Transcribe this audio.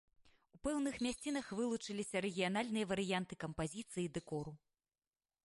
У пэўных мясцінах вылучыліся рэгіянальныя варыянты кампазіцыі і дэкору.